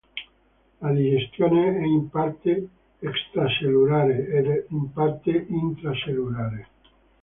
La digestione è in parte extracellulare ed in parte intracellulare.